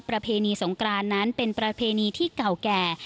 ประเพณีสงกรานนั้นเป็นประเพณีที่เก่าแก่